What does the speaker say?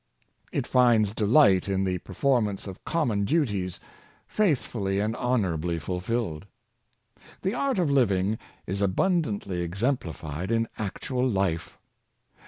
It finds delight in the performance of com mon duties, faithfully and honorabl}^ fulfilled. The art of living is abundantly exemplified in actual life.